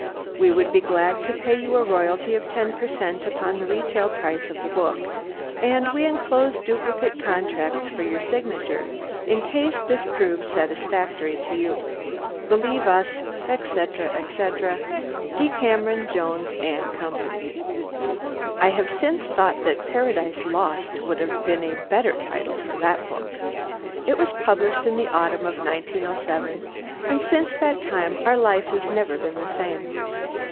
We would be glad to pay you a royalty of 10 percent upon the retail price of the book, and we enclose duplicate contracts for your signature in case this proves satisfactory to you. Believe us, etc., etc., DECAMERON, JONES & CO. I have since thought that "Paradise Lost" would have been a better title for that book. It was published in the autumn of 1907, and since that time our life has never been the same.